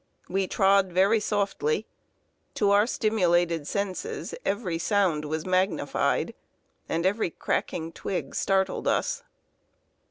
We trod very softly; to our stimulated senses every sound was magnified, and every cracking twig startled us.